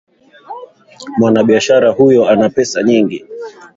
Mwanabiashara huyo ana pesa nyingi